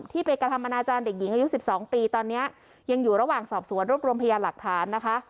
ไปกระทำอนาจารย์เด็กหญิงอายุ๑๒ปีตอนนี้ยังอยู่ระหว่างสอบสวนรวบรวมพยานหลักฐานนะคะ